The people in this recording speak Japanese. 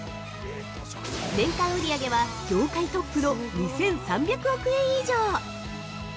年間売り上げは業界トップの２３００億円以上！